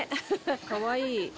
かわいい。